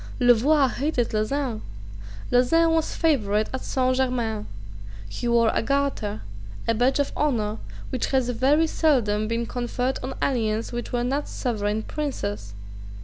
Louvois hated Lauzun. Lauzun was favourite at Saint Germains. He wore the garter, a badge of honour which has very seldom been conferred on aliens who were not sovereign princes.